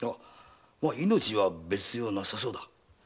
命に別状はなさそうだ。